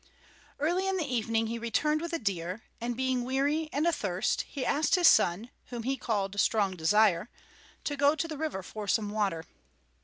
Early in the evening he returned with a deer, and being weary and athirst, he asked his son, whom he called Strong Desire, to go to the river for some water.